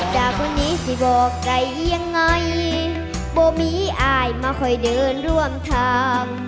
จากคนนี้สิบอกใจยังไงบ่มีอายมาคอยเดินร่วมทาง